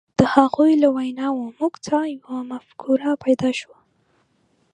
د هغوی له ویناوو موږ ته یوه مفکوره پیدا شوه.